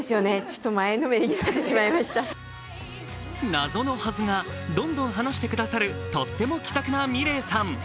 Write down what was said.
謎のはずが、どんどん話してくださるとっても気さくなｍｉｌｅｔさん。